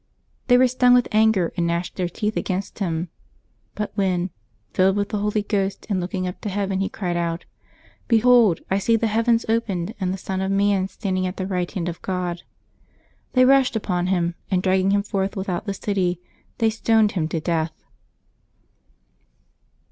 They were stung with anger, and gnashed their teeth against him. But when, ^^ filled with the Holy Ghost and looking up to heaven, he cried out, * Behold, I see the heavens opened and the Son of man standing at the right hand of God,' they rushed upon him, and dragging him forth without the city, they stoned him to death."